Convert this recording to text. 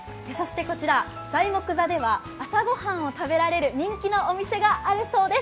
材木座では朝御飯を食べられる人気のお店があるそうです。